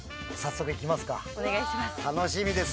お願いします。